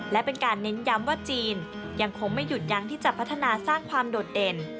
และเป็นการเน้นย้ำว่าจีนยังคงไม่หยุดยั้งที่จะพัฒนาสร้างความโดดเด่น